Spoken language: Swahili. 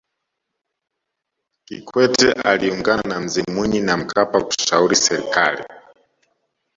kikwete aliungana na mzee mwinyi na mkapa kushauri serikali